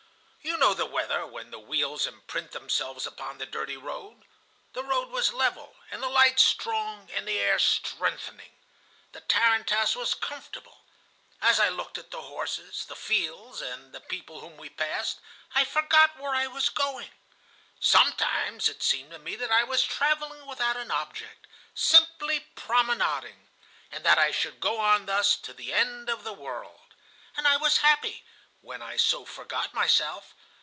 You know the weather when the wheels imprint themselves upon the dirty road. The road was level, and the light strong, and the air strengthening. The tarantass was comfortable. As I looked at the horses, the fields, and the people whom we passed, I forgot where I was going. Sometimes it seemed to me that I was travelling without an object,—simply promenading,—and that I should go on thus to the end of the world. And I was happy when I so forgot myself.